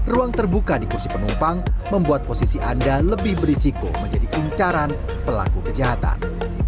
ruang terbuka di kursi penumpang membuat posisi anda lebih berisiko menjadi incaran pelaku kejahatan